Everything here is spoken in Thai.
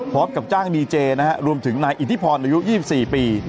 พร้อมกับจ้างดีเจนะฮะรวมถึงนายอิทธิพรอายุ๒๔ปี